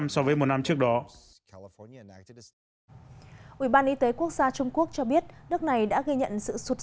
hai mươi tám so với một năm trước đó ủy ban y tế quốc gia trung quốc cho biết nước này đã ghi nhận sự sụt